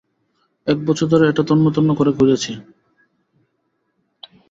এক বছর ধরে এটা তন্ন-তন্ন করে খুঁজেছি!